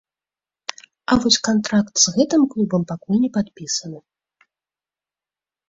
А вось кантракт з гэтым клубам пакуль не падпісаны.